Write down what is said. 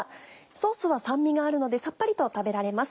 ソースは酸味があるのでさっぱりと食べられます。